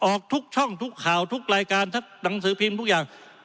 ออกทุกช่องทุกข่าวทุกรายการทุกหนังสือพิมพ์ทุกอย่าง